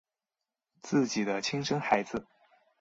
自己的亲生孩子